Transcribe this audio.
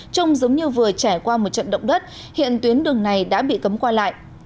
trông giống như vừa trải qua một trận động đất hiện tuyến đường này đã bị cấm qua lại